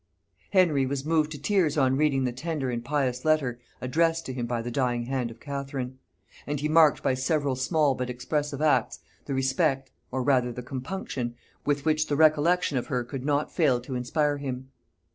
Henry was moved to tears on reading the tender and pious letter addressed to him by the dying hand of Catherine; and he marked by several small but expressive acts, the respect, or rather the compunction, with which the recollection of her could not fail to inspire him.